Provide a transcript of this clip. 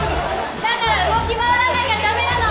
だから動き回らなきゃだめなの。